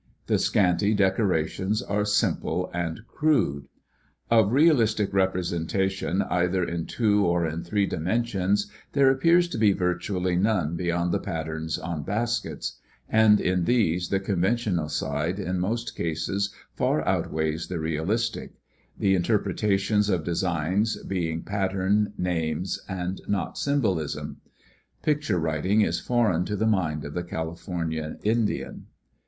The scanty decora tions are simple and crude. Of realistic representation either in two or in three dimensions there appears to be virtually none beyond the patterns on baskets; and in these the conventional side in most cases far outweighs the realistic, the interpretations of designs being pattern names and not symbolism. Picture writing is foreign to the mind of the California Indian.